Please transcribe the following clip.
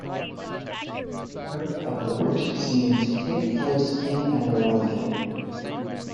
Several of the book's scenes take place in and around it.